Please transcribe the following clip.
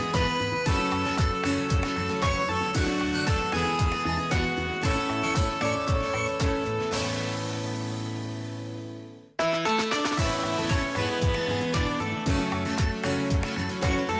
ซีนีบีประชานนี้คอนตามแสวนะคะครับแอปสามารถติดตามเวลาค่ะนะครับ